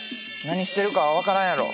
何してるか分からんやろ。